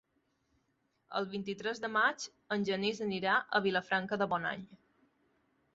El vint-i-tres de maig en Genís anirà a Vilafranca de Bonany.